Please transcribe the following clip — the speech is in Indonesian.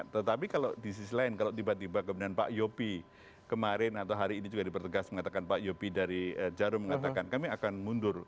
tetapi kalau di sisi lain kalau tiba tiba kemudian pak yopi kemarin atau hari ini juga dipertegas mengatakan pak yopi dari jarum mengatakan kami akan mundur